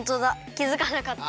きづかなかった。